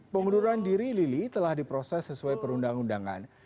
pengunduran diri lili telah diproses sesuai perundang undangan